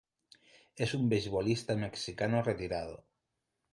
Es un beisbolista mexicano retirado.